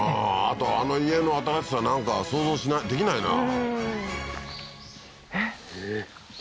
あとあの家の新しさなんか想像できないな